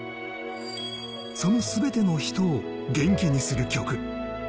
そのすべての人を元気にする曲。